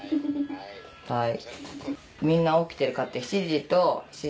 はい。